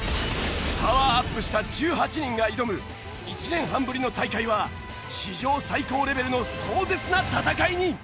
パワーアップした１８人が挑む１年半ぶりの大会は史上最高レベルの壮絶な戦いに！